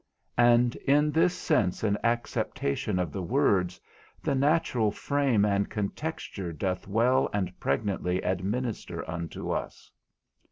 And in this sense and acceptation of the words, the natural frame and contexture doth well and pregnantly administer unto us.